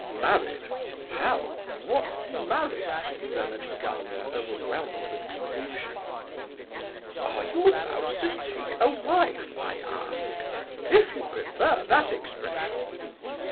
"Married? how—what marriage?" murmured Gania, overwhelmed with confusion. "Are you about to take a wife? I ask,—if you prefer that expression."